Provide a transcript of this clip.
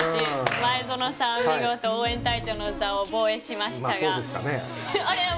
前園さん、見事、応援隊長の座を防衛しましたが。